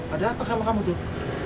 ada apa sama kamu tuh